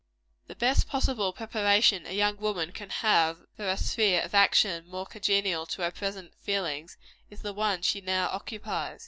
The best possible preparation a young woman can have for a sphere of action more congenial to her present feelings, is the one she now occupies.